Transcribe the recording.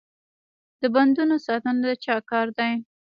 د بندونو ساتنه د چا کار دی؟